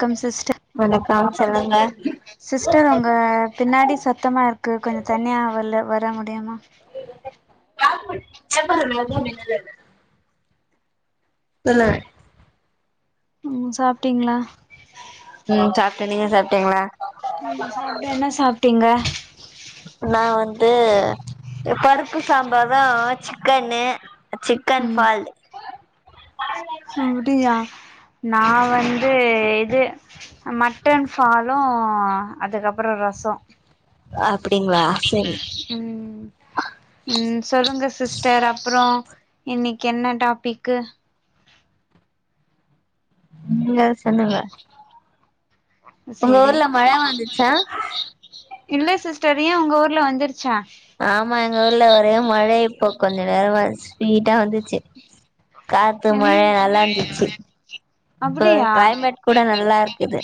come சிஸ்ட ஆ சொல்லுங்க சிஸ்டர் உங்க பின்னாடி சத்தமா இருக்கு கொஞ்ச தனியா வல்ல வர முடியுமா [inaudible] இல்ல ம் சாப்ட்டீங்ளா ம் சாப்ட்டே நீங்க சாப்ட்டீங்களா ம் சாப்ட்ட என்ன சாப்ட்டீங்க நா வந்து பருப்பு சாம்பாரு சிக்கன்னு சிக்கன் ஃபால்லு அப்படியா நா வந்து இது மட் டன் சாலு அதுக்கப்புற ரச அப்படிங்களா அப்படிங்ளா ம் ம் சொல்லுங்க சிஸ்டர் அப்புற இன்னைக்கு என்ன டாபிக்கு நீங்க ஏதா சொல்லுவே உங்க சேரி ஊர்ல மழை வந்துச்சா இல்ல சிஸ்டர் ஏ உங்க ஊர்ல வந்துருச்சா ஆமா எங்க ஊர்ல ஒரே மழை இப்போ கொஞ்ச நேரமா ஸ்பீடா வந்துச்சு காத்து மழை எங் நல்லா இருந்துச்சி இப்ப அப்டியா கிளைமேட் கூட நல்லா இருக்குது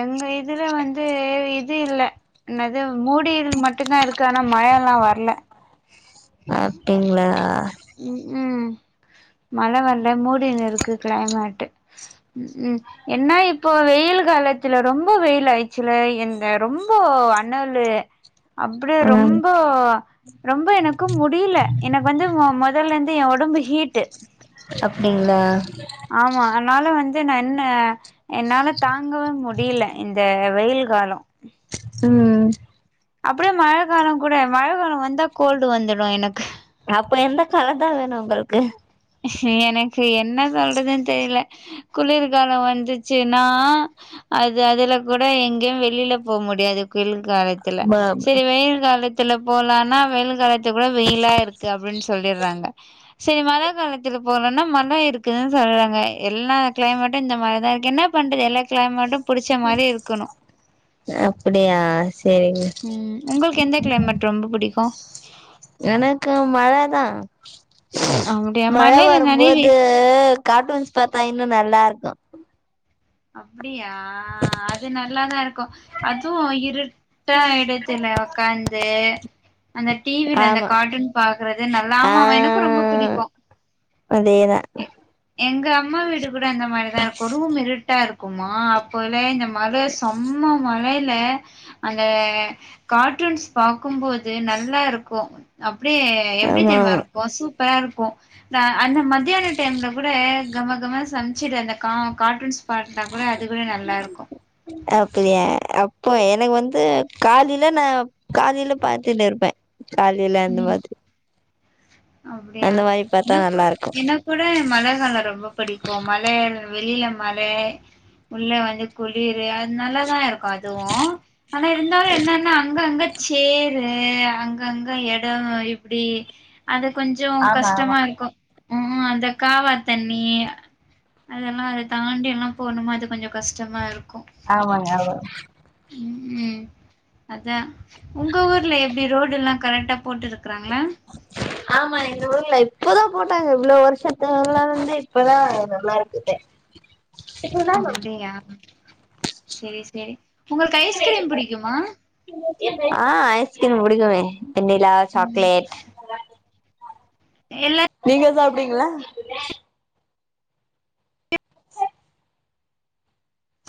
எங்க இதுல வந்து இது இல்ல என்னது மூடி இருள் மட்டுந்தா இருக்கு ஆனா ம மழைல்லா வர்ல அப்டிங்ளா ம் ம் மழை வரல மூடினு இருக்கு கிளைமேட்டு ம் ம் என்னா இப்போ வெயில் காலத்துல ரொம்ப வெயில் ஆயிச்சில இந்த ரொம்ப ஓ அண்ணல்லு அப்டியே ம் ரொம்ப ரொம்ப எனக்கும் முடியில்லே எனக்கு வந்து வ இதல் லெந்து எ ஒடம்பு ஹீட்டு இல்ல ஆமா அதனால வன் து நா என்ன என்னால தாங்கவே முடியேலே இந்த வெயில் காலோ ம் அப்படியே மழை காலம் கூட மழை காலம் வந்தா கோல்டு வந்துடு எனக்கு அப்ப எந்த காலதான் வேணு உங்களுக்கு எனக்கு என்ன சொல்றதுன்னு தெரியில குளிர்கால வந்துச்சுன்னா அது அதுல கூட எங்கேயு வெளியில போ முடியாது குளு காலத்துல பாப் செரி வெயில் காலத்துல போலனா வெயில் காலத்து கூட வெயிலா இருக்கு அப்டின்னுஸ் சொல்லிடுறாங்க செரி மழ காலத்தில போலானா மழை இருக்குன்னு சொல்றாங்க எல்லா கிளைமேட்டு இந்த மழை தா இருக்கு என்ன பண்றது எல்லா க கிளைமேட்டு புடிச்ச மாரி இருக்கணு அப்படியா சேரிங்க ம் உங்களுக்கு எந்த கிளைமேட் ரொம்ப புடிக்கு எனக்கு மழைதா அப்டியா மழை மழைல நனைவி வரும்போது கார்ட்டூன்ஸ் பாத்தா இன்னு நல்லா இருக்கு அப்டியா அது நல்லாதா இருக்கு அதுவு இரு டா ஆயிடுச்சுன்ன உக்காந்து அந்த டிவில அந்த ஆமா கார்ட்டூன் பாக்குறது ஆ நல்லாம அவன் எனக்கு ரொம்ப புடிக்கு அதேதா எங்க அம்மா வீடு கூட அந்த மாரிதா இருக்கு ரூம் இருட் டா இருக்குமா அப்போ இலே இந்த மலே செம்ம மழையில அந்த கார்ட்டூன்ஸ் பாக்கும்போது நல்லா இருக்கு அப்டியே எப்டி ஆமா தெர்மா ஆமா இருக்கு சூப்பரா இருக்கு நா அந்த மத்தியான டைம்ல கூட கம கம சமைச்சுட்டு இருந்த கா கார்ட்டூன்ஸ் பாட்னா கூட அது கூட நல்லா இருக்கு இப்போ எனக்கு வந்து காலேயில நா காலேயில பாத்துட்டு இருப்பே காலேயில அந்த மாதிரி அப்டியா அந்த மாரி பாத்தா என கூ நல்லா இருக்கு என கூட மழ கால ரொம்ப பிடிக்கு மழ வெளியில மழ உள்ள வந்து குளிரு அது நல்லாதா இருக் கதுவு ஆனா இருந்தாலு என்னென்னா அங்க அங்க சேரு அங் கங்க எடோ இப்டி அது கொஞ்சோ ஆமா ஆமா கஷ்டமா இருக்கு ம் ம் அந்த காவா தண்ணி அதெல்லா அது தாண்டி எல்லா போணுமா அது கொஞ்சோ கஷ்டமா இரு ஆமாங்க ஆமாங்க ம் ம் அதா உங்க ஊர்ல எப்டி ரோடுல்லா கரெக்டா போட்டு இருக்கறாங்களா ஆமா எங்க ஊர்ல போதா போட்டாங்க இவ்ளோ வருஷத்துள்ள இருந்து இப்பதா நல்லாருக்குதே அம்டியா செரி செரி உங்களுக்கு ஐஸ்கிரீம் பிடிக்குமா ஆ ஐஸ்கிரீம் புடிக்குமே வெண்ணிலா சாக்லேட் எல்லா நீங்க சாப்டுவீங்களா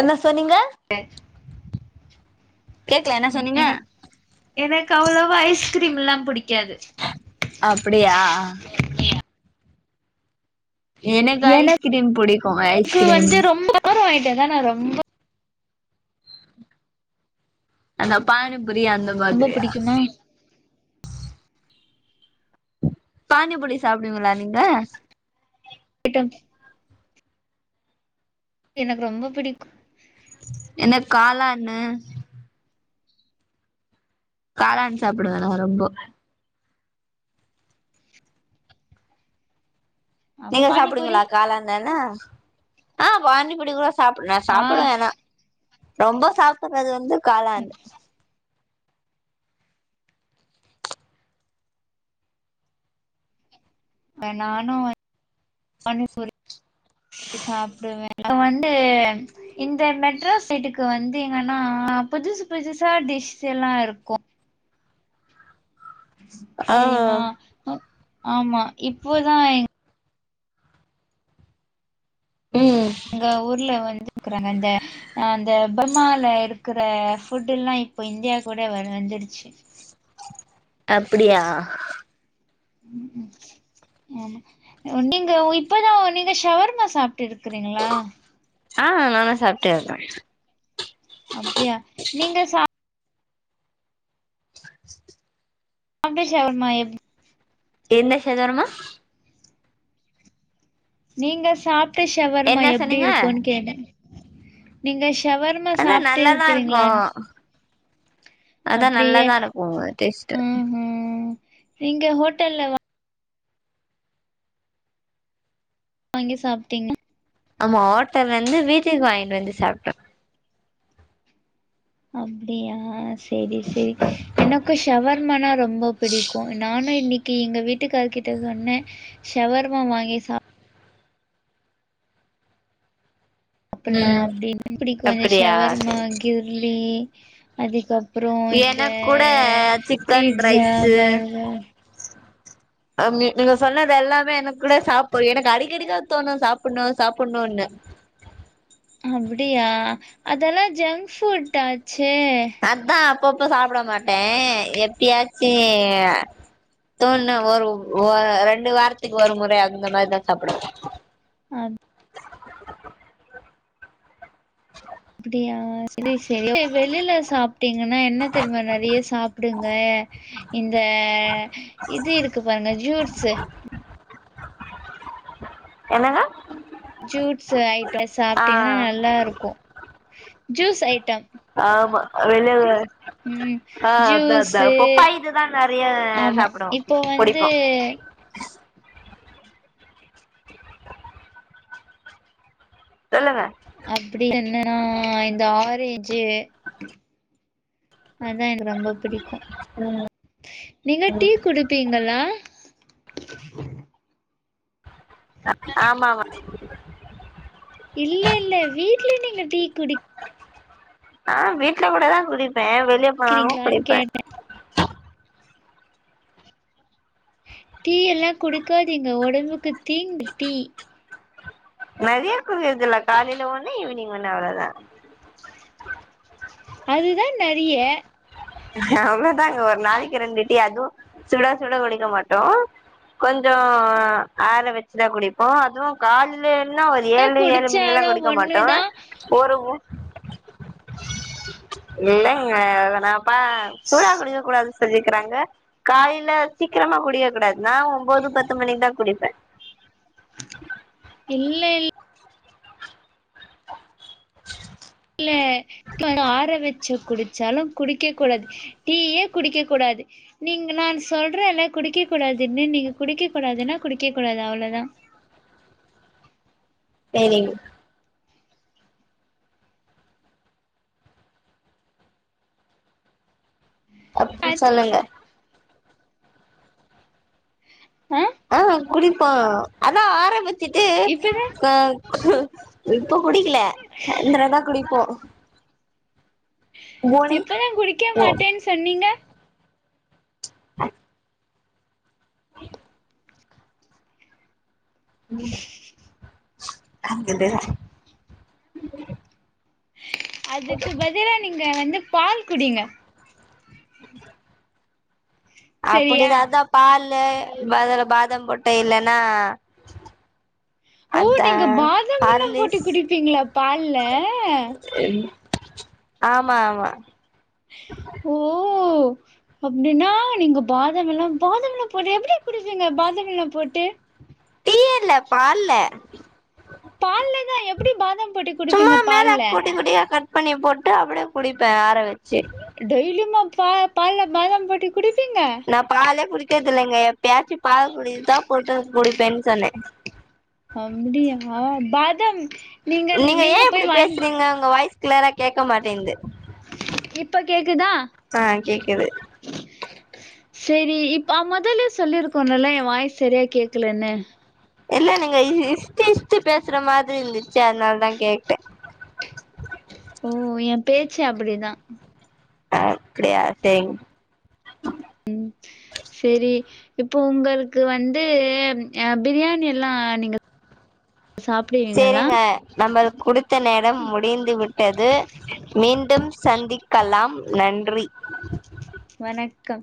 என்ன சொன்னீங்க யாச்சு கேக்கல என்ன ம் சொன்னீங்க எனக் எனக்கு அவ்ளோவா ஐஸ்கிரீம்ல்லா புடி அப்டியா ஆ எனக்கு எனக் ஐஸ்கிரீம் புடிக்கு கு ஐஸ்கிரீம் வந்து ரொம்ப [inaudible] ஆயிட்டேதான ரொம்ப அந்தா பானி பூரி அந்த ரொம்ப மாதிரியா பிடிக்குமா பானிபுரி சாப்டுவீங்களா நீங்க ஐட்டம்ஸ் எனக்கு ரொம்ப பிடிக்கு என்ன காலான்னு காளான் சாப்பிடுவேலா ரொம்ப அ நீங்க பானிபூரி சாப்புடுங்களா காலாண் தான ஆ பாணிபூரி கூட சாப்ட நா ஆ சாப்புடுவே நா ரொம்ப சாப்புறது வந்து காளாண் ஆ நானு [inaudible] பாணி பூரி சாப்டு இப்ப வந்து இந்த மெட்ரோ சைட்டுக்கு வந்து எங்கன்னா ஆ புதுசு புதுசா டிஷ்ஸ்ல்லா இருக்கு ஆ தெரியுமா ஆமா இப்போதா ம் அங்க ஊர்ல வந்து இருக்குறாங்க அ அந்த பர்மால இருக்க புட்டுல்லா இப்போ இந்தியா கூட வ [unintelligible] விடுச்சி அப்படியா ம் ஆ நீங்க இப்பதா நீங்க ஷவர்மா சாப் ட்டுருக்கீங்களா ஆ நானு சாப்ட்டு இருக்கே அப்டியா நீங்க ச அப்டி சவர்மா எ எந்த சதர்மா நீங்க சாப்ட்ட ஷவர்மா என்ன எப்டி சொன்னீங்க இருக்குன்னு கேட்டே நீங்க ஸ் சவர்மா அதா சாப்ட்டு நல்லாதா இருக்கு இருக்கறீங்களான் அதா அப்டியே நல்லாதா இருக்கு டேஸ்ட்டு ம் ம் நீங்க ஹோட்டல்ல வாங்கி சாப்ட்டீங்க ஆமா ஹோட்டல் வந்து வீட்டுக்கு வாங்கிட்டு வந்து சாப்ட்டோ அப்டியா செரி செரி எனக்கு ஷவர்மானா ரொம்ப பிடிக்கு நானு இன்னைக்கு எங்க வீட்டுக்கார் கிட்ட சொன்னே ஷவர்மா வாங்கி சா பிலா ம் அப்டின் இப்டி கொஞ்ச அப்டியா வர்மா சரி கிர்லி அதுக்கப் ப்பரோ ஆ எனக் கூட சிக்கன் பீட்ஜா ரைஸு பர்கர் அ மி நீங்க சொன்னது எல்லாமே எனக் கூட சாப்பு எனக்கு அடிக்கடிக்கா தோணு சாப்புட்ணோ சாப்புட்ணோன்னு அப்டியா அதெல்லா ஜங்க் ஃபுட்டாச்சே அதா அப்பப்ப சாப்ட மாட்டே எப்பயாச்சு ஆ தோண்ண ஒரு ஓ ரெண் டு வாரத்துக்கு ஒரு முறை அந்த மாரிதா சாப்டுவ அப்டியா சேரி சேரி வெளியில சாப்ட்டீங்கன்னா என்ன தெரிமா நெறைய சாப்டுங்க அ இந்த இது இருக்கு பாருங்க ஜூட்ஸ்ஸு என்னங்க ஜூட்ஸு ஐட்ட ஆ சாப்ட்டீங்கன்னா நல்லா இருக்கு ஜூஸ் ஐட்டம் ஆமா [unintelligible] ம் ஆ அதா அதா ஜூஸு பொப்பாய் இதுதா நறைய ஆமா சாப்டுவோ இப்போ வந்து குடிப்போ சொல்லுங்க அப்டி என்னன்னா இந்த ஆரேஞ்சு அதா எனக்கு ரொம்ப புடிக்கு நீங்க டீ குடுப்பீங்களா அ ஆமாமா இல்ல இல்ல வீட்ல நீங்க டீ குடி ஆ வீட்ல கூடதா குடிப்பே வெளிய போனாலு குடிக்கிறீங்களான்னு குடிப்ப கேட்டே டீ எல்லா குடுக்காதிங்க ஒடம்புக்கு தீங் டீ நெறையா குரியதில்ல காலைல ஒண்ணு ஈவினிங் ஒண்ணு அவ்ளதா அதுதா நெறைய அவ்ளோதாங்க ஒரு நாளைக்கு ரெண்டு டீ அதுவு சுட சுட குடிக்க மாட்டோ கொஞ்சோ ஆற வச்சுதா குடிப்போ அதுவு கால்லே இன்னு ஒரு ஏழு ஏழு மணி எல்லா குடிச்சாலு குடிக்க மாட்டோ ஒண்ணுதா ஒரு இல்லைங்க அதுனாப்பா சூடா குடிக்க கூடாது செஞ்சிக்கிறாங்க காயில சீக்கிரமா குடியக் கூடாது நா ஒம்போது பத்து மணிக்தா குடிப்ப இல்ல இல் குடிச்சாலு குடிக்கெக் கூடாது டீயே குடிக்கெக் கூடாது நீங்க நான் சொல்றேன்ல குடிக்கெ கூடாதுன்னு நீங்க குடிக்கெக் கூடாதுன்னா குடிக்கெக் கூடாது அவ்ளோதா சேரிங் அப்பு சொல்லுங்க ஆ குடிப்போ அதா ஆரம்பிச்சுட்டு இப்பதா ஆ இப்போ குடிக்ல அந்தரதா குடிப்போ போனி இப்பதா குடிக்கெ ஓ மாட்டேன் சொன்னீங்க ம் அங்கத அதுக்கு பதிலா நீங்க வந்து பால் குடிங்க சரியா அப்டிதாதா பால்லு பதர பாதாம் போட்டு இல்லன்னா ஓ அதா நீங்க பாதாம் எல்லா போட்டு ஹார்லிஸ் குடிப்பீங்களா பால்ல ஆமா ஆமா ஓ அப்டின்னா நீங்க பாதம் எல்லா பாதம் எல்லா போட்டு எப்டி குடிப்பீங்க பாதம் எல்லா போட்டு டீ எல்ல பால்ல பால்லேதா எப்டி பாதம் போட்டி சும்மா குடிப்பீங்க மேல பால்ல குட்டி குட்டியா கட் பண்ணி போட்டு அப்டே குடிப்பே ஆற வச் டெய்லிமா ப பால்ல பாதாம் போட்டு குடிப் நா பாலே குடிக்கெர்தில்லைங்க எப்பயாச்சு பால் குடிதா போட்டு குடி பென்சனு அப்புடியா பாதம் நீங்கள் நீங்க போய் வாங்கி கேக்க மாட்டேன்து இப்ப கேக்குதா ஆ கேக்குது செரி இப் அ மொதல்லே சொல்லிருக்கோன்னல்லா எ வாய்ஸ் செரியா கேக்கலன்னு என்ன நீங்க இ இஷ்டு இஷ்டு பேசுற மாத்ரி இந்துச்சு அத்னால் தா கேட்டே ஓ எ பேச்சு அப்படிதா அ அப்படியா செ [unintelligible] ம் செரி இப்போ உங்களுக்கு வந்து அ பிரியாணி எல்லா நீங்க ஆ செரிங்க நம்பல் குடுத் த நேரம் முடிந்துவிட்டது மீண்டும் சந்திக் கலாம் நன்றி வணக்கம்